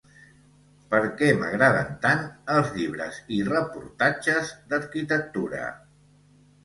Per què m'agraden tant els llibres i reportatges d'arquitectura?